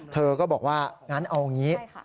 เธอก็บอกว่างั้นเอางี้